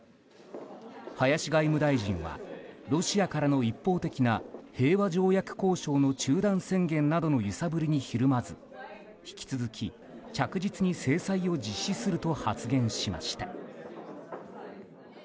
林外務大臣はロシアからの一方的な平和条約交渉の中断宣言などの揺さぶりにひるまず引き続き、着実に制裁を実施すると発言しました。